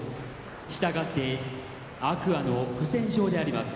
したがって天空海の不戦勝であります。